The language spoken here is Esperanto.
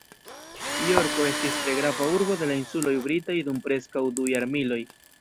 Jorko estis tre grava urbo de la insuloj britaj dum preskaŭ du jarmiloj.